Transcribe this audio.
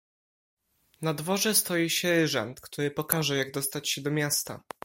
"Na dworze stoi sierżant, który pokaże, jak dostać się do miasta."